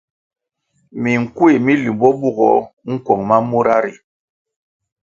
Minkuéh mi limbo bugoh nkuong ma mura ri.